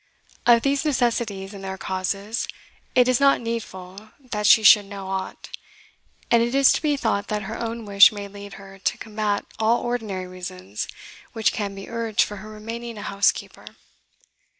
Of these necessities and their causes, it is not needful that she should know aught; and it is to be thought that her own wish may lead her to combat all ordinary reasons which can be urged for her remaining a housekeeper."